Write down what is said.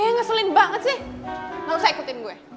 yang ngeselin banget sih gak usah ikutin gue